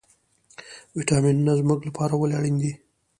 ویټامینونه زموږ لپاره ولې اړین دي